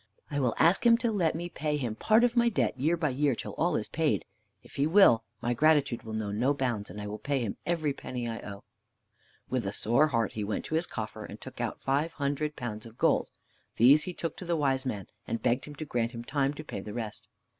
I will ask him to let me pay him part of my debt year by year till all is paid. If he will, my gratitude will know no bounds, and I will pay him every penny I owe." With a sore heart he went to his coffer and took out five hundred pounds of gold. These he took to the Wise Man, and begged him to grant him time to pay the rest.